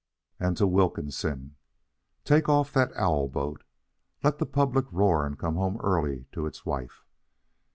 And to Wilkinson: "Take off that owl boat. Let the public roar and come home early to its wife.